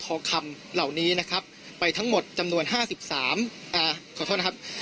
ทองคำเหล่านี้นะครับไปทั้งหมดจำนวน๕๓ขอโทษนะครับ